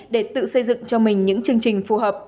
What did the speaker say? để tự xây dựng cho mình những chương trình phù hợp